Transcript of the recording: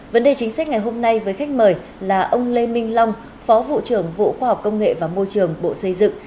vấn đề chính sách ngày hôm nay với khách mời là ông lê minh long phó vụ trưởng vụ khoa học công nghệ và môi trường bộ xây dựng